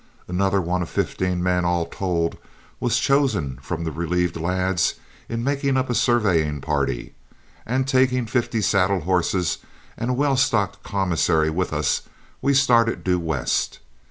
Another one of fifteen men all told was chosen from the relieved lads in making up a surveying party, and taking fifty saddle horses and a well stocked commissary with us, we started due west.